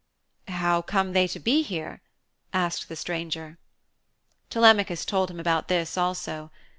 'How come they to be here?' asked the stranger. Telemachus told him about this also.